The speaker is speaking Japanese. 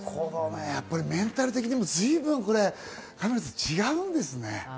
メンタル的にも随分、神野さん、違うんですね。